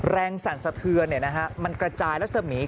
แรงสั่นสะเทือนมันกระจายแล้วเสมี